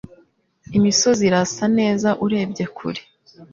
Imisozi irasa neza urebye kure.